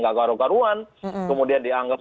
gak karu karuan kemudian dianggap